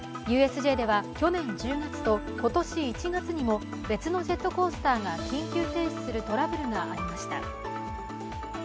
ＵＳＪでは去年１０月と今年１月にも別のジェットコースターが緊急停止するトラブルがありました。